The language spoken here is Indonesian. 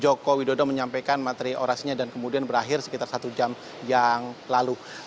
joko widodo menyampaikan materi orasinya dan kemudian berakhir sekitar satu jam yang lalu